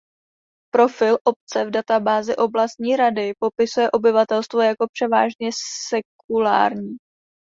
Profil obce v databázi oblastní rady popisuje obyvatelstvo jako "převážně sekulární".